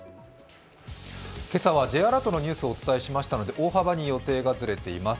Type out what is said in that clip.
今朝はＪアラートのニュースをお伝えしましたので大幅に予定がずれています。